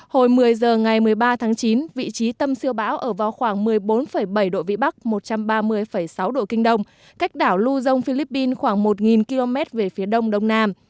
hồi một mươi giờ ngày một mươi ba tháng chín vị trí tâm siêu bão ở vào khoảng một mươi bốn bảy độ vĩ bắc một trăm ba mươi sáu độ kinh đông cách đảo lưu dông philippines khoảng một km về phía đông đông nam